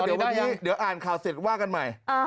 เดี๋ยวอ่านข่าวเสร็จว่ากันใหม่